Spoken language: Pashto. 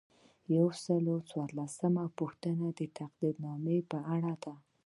یو سل او څوارلسمه پوښتنه د تقدیرنامې په اړه ده.